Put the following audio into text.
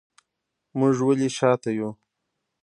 موږ ولې شاته یو